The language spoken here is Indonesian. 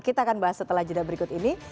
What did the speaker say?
kita akan bahas setelah jeda berikut ini